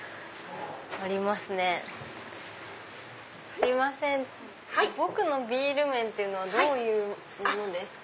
すいませんぼくのビール麺ってどういうものですか？